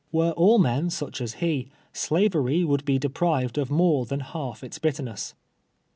"Were all men such as he. Slavery wmdd be de prived of more than half its bitterness.